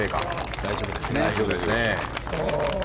大丈夫ですね。